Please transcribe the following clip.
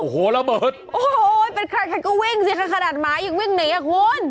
โอ้โหระเบิดโอ้โหเป็นใครใครก็วิ่งสิค่ะขนาดหมายังวิ่งหนีอ่ะคุณ